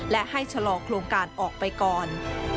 และให้ชะลอโครงการออกไปก่อน